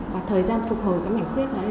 và thời gian phục hồi cái mảnh khuyết đó